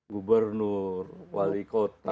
gubernur wali kota